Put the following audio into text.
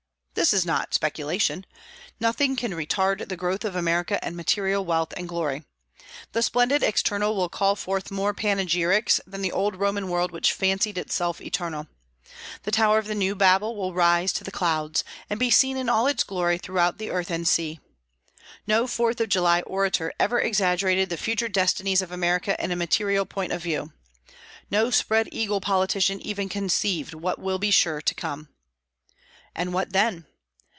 This is not speculation. Nothing can retard the growth of America in material wealth and glory. The splendid external will call forth more panegyrics than the old Roman world which fancied itself eternal. The tower of the new Babel will rise to the clouds, and be seen in all its glory throughout the earth and sea. No Fourth of July orator ever exaggerated the future destinies of America in a material point of view. No "spread eagle" politician even conceived what will be sure to come. And what then?